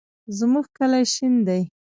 زمونږ کلی شین دی